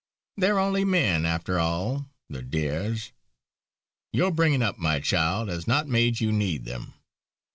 They're only men after all the dears! Your bringing up, my child, has not made you need them.